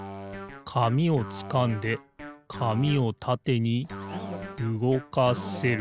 紙をつかんで紙をたてにうごかせる。